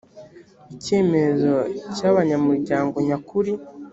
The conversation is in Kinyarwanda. icyemezo cy abanyamuryango nyakuri